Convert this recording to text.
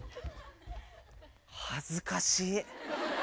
恥ずかしい。